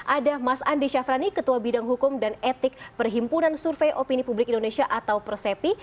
ada mas andi syafrani ketua bidang hukum dan etik perhimpunan survei opini publik indonesia atau persepi